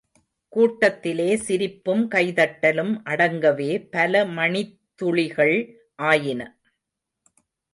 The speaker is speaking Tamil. கூட்டத்திலே சிரிப்பும் கைதட்டலும் அடங்கவே பல மணித்துளிகள் ஆயின.